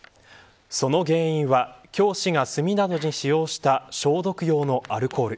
その原因は教師が炭などに使用した消毒用のアルコール。